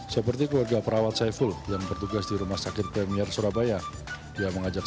seperti keluarga perawat saiful yang bertugas di rumah sakit premier surabaya dia mengajak